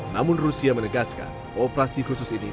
namun rusia menegaskan operasi khusus ini